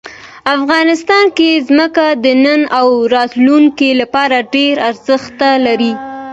افغانستان کې ځمکه د نن او راتلونکي لپاره ډېر ارزښت لري.